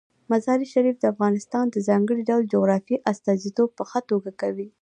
مزارشریف د افغانستان د ځانګړي ډول جغرافیې استازیتوب په ښه توګه کوي.